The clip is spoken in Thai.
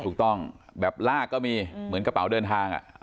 ถูกต้องแบบลากก็มีเหมือนกระเป๋าเดินทาง